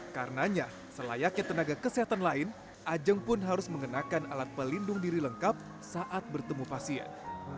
karenanya selayaknya tenaga kesehatan lain ajeng pun harus mengenakan alat pelindung diri lengkap saat bertemu pasien